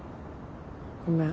ごめん。